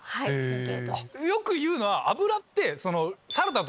よく言うのは。